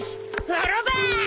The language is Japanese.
風呂だー！